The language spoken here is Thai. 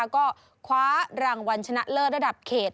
ก็คว้ารางวัลชนะเลิศระดับเขต